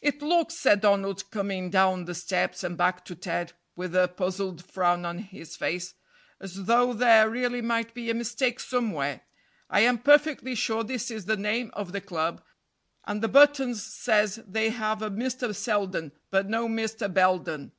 "It looks," said Donald, coming down the steps and back to Ted, with a puzzled frown on his face, "as though there really might be a mistake somewhere. I am perfectly sure this is the name of the club, and the buttons says they have a Mr. Selden, but no Mr. Belden."